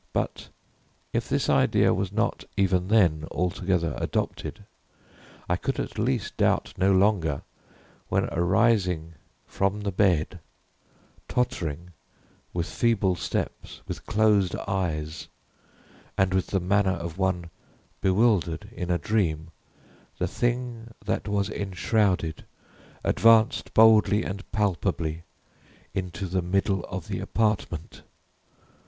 But if this idea was not, even then, altogether adopted, I could at least doubt no longer, when, arising from the bed, tottering, with feeble steps, with closed eyes, and with the manner of one bewildered in a dream, the thing that was enshrouded advanced boldly and palpably into the middle of the apartment.